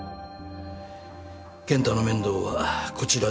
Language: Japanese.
健太の面倒はこちらで見る。